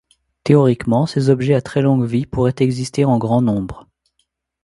Théoriquement, ces objets à très longue vie pourraient exister en grand nombre.